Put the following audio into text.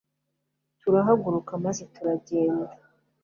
turahaguruka maze turagenda